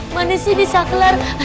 mana sih di saklar